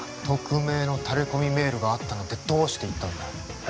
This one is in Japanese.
匿名のタレコミメールがあったなんてどうして言ったんだ？